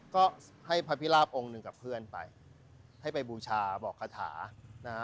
ก็ให้พระพิราบองค์หนึ่งกับเพื่อนไปให้ไปบูชาบอกคาถานะฮะ